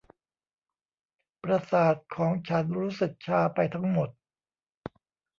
ประสาทของฉันรู้สึกชาไปทั้งหมด